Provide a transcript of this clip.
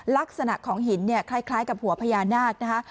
ลักษณะของหินเนี่ยคล้ายกับหัวพญานาคนะคะ